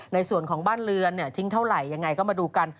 ในส่วนของบ้านเรือนทิ้งเท่าไหร่ยังไงก็มาดูกัน